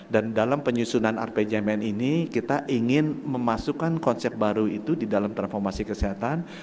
dan dalam penyusunan rpjmn ini kita ingin memasukkan konsep baru itu di dalam transformasi kesehatan